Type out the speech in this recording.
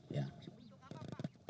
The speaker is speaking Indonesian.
itu apa pak